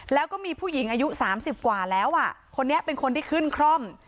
แล้วก็มีผู้หญิงอายุ๓๐กว่าแล้วอ่ะคนนี้เป็นคนที่ขึ้นคร่อม